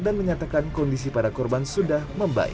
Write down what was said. dan menyatakan kondisi para korban sudah membaik